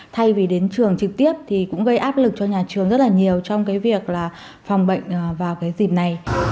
thay vì đến trường trực tiếp thì cũng gây áp lực cho nhà trường rất là nhiều trong cái việc là phòng bệnh vào cái dịp này